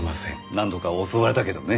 何度か襲われたけどね。